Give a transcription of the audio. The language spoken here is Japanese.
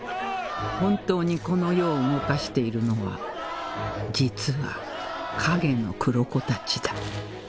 本当にこの世を動かしているのは実は影の黒子たちだ